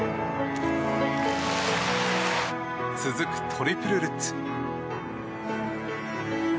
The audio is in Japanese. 続くトリプルルッツ。